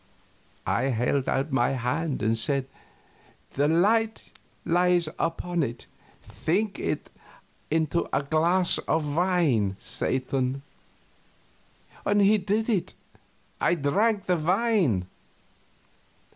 I held out my hand and said, "The light lies upon it; think it into a glass of wine, Satan." He did it. I drank the wine.